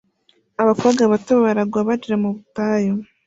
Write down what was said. Abakobwa bato baragwa barira mu butayu